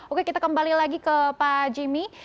oke kita kembali lagi ke pak jimmy